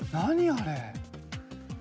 あれ。